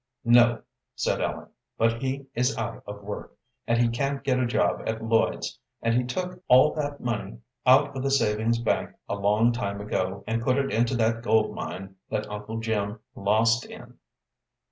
"No," said Ellen, "but he is out of work, and he can't get a job at Lloyd's, and he took all that money out of the savings bank a long time ago, and put it into that gold mine that Uncle Jim lost in."